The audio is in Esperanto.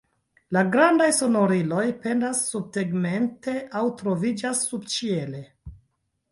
La grandaj sonoriloj pendas subtegmente aŭ troviĝas subĉiele.